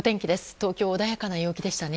東京、穏やかな陽気でしたね。